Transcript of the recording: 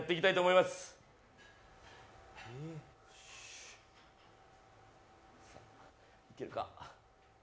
いけるか。